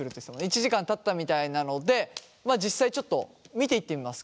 １時間たったみたいなので実際ちょっと見ていってみますか。